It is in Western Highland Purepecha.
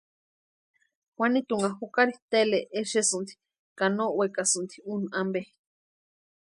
Juanitunha jukari Tele exesïnti ka no wekasïnti úni ampe.